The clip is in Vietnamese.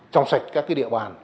trong sạch các địa bàn